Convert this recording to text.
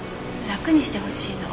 楽にしてほしいの。